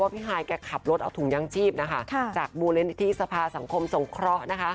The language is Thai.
พี่หายอาปาร์น